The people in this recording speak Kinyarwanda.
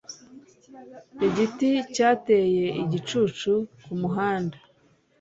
Igiti cyateye igicucu kumuhanda.